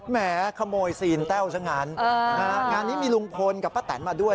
แหมขโมยซีนแต้วซะงั้นงานนี้มีลุงพลกับป้าแตนมาด้วย